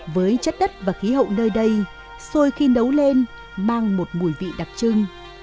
với chất đất và khí hậu nơi đây xuôi khi nấu lên mang một mùi vị đặc trưng